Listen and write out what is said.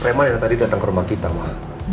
reman yang tadi datang ke rumah kita ma